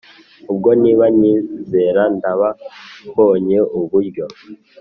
ubwo nibanyizera ndaba mbonye uburyo